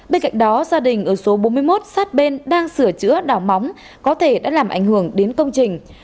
bên cạnh đó gia đình ở số bốn mươi một sát bên đang sửa chữa đào móng có thể đã làm ảnh hưởng đến công trình